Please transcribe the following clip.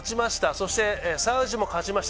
そしてサウジも勝ちました。